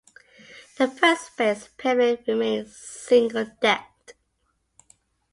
The first-base pavilion remained single-decked.